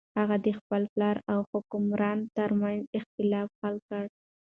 هغه د خپل پلار او حکمران تر منځ اختلاف حل کړ.